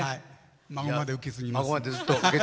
孫まで受け継ぎます。